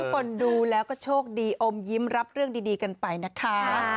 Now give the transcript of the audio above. คนดูแล้วก็โชคดีอมยิ้มรับเรื่องดีกันไปนะคะ